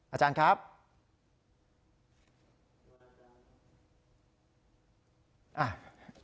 อาจารย์ครับ